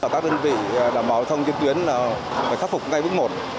các đơn vị đảm bảo giao thông trên tuyến phải khắc phục ngay bước một